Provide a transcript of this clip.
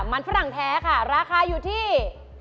มันฝรั่งแท้ค่ะราคาอยู่ที่